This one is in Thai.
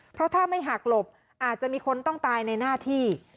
เพราะถ้าไม่หักหลบอาจจะมีคนต้องตายในหน้าที่